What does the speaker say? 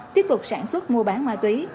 tiếp tục sản xuất mua bán ma túy